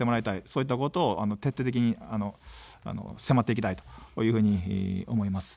そういったことを徹底的に迫っていきたいと思います。